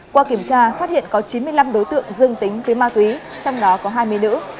qua kiểm tra phát hiện có chín mươi năm đối tượng dương tính với ma túy trong đó có hai mươi nữ